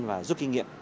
và giúp kinh nghiệm